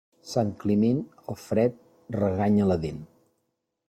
Sant Climent, el fred reganya la dent.